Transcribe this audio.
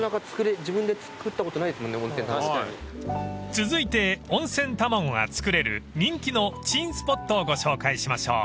［続いて温泉卵が作れる人気の珍スポットをご紹介しましょう］